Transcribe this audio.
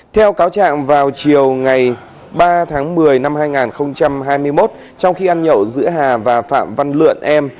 theo cáo trạng vào chiều ngày ba tháng một mươi năm hai nghìn hai mươi một trong khi ăn nhậu giữa hà và phạm văn lượn em